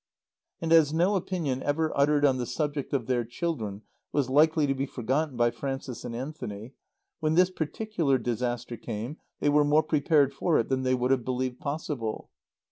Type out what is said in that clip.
And as no opinion ever uttered on the subject of their children was likely to be forgotten by Frances and Anthony, when this particular disaster came they were more prepared for it than they would have believed possible.